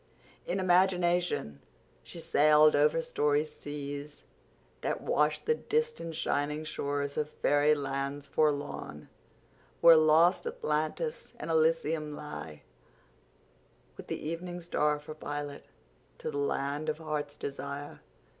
In imagination she sailed over storied seas that wash the distant shining shores of "faery lands forlorn," where lost Atlantis and Elysium lie, with the evening star for pilot, to the land of Heart's Desire.